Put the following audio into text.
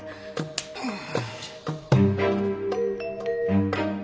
うん。